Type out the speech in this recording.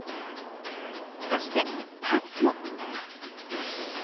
そしてパンツも。